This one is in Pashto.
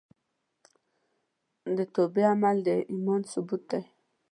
د توبې عمل د ایمان ثبوت دی.